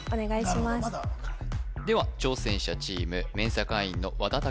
なるほどまだ分からないでは挑戦者チームＭＥＮＳＡ会員の和田拓